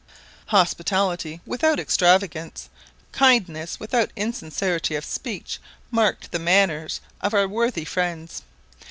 Hospitality without extravagance, kindness without insincerity of speech, marked the manners of our worthy friends.